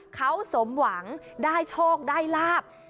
เขาสมหวังได้โชคได้ลาบ